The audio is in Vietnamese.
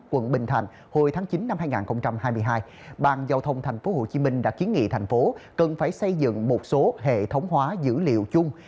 quận bình thành hồi tháng chín năm hai nghìn hai mươi hai bang giao thông tp hcm đã kiến nghị thành phố cần phải xây dựng một số hệ thống hóa dữ liệu chung